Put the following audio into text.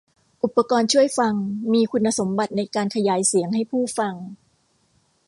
อุปกรณ์ช่วยฟังมีคุณสมบัติในการขยายเสียงให้ผู้ฟัง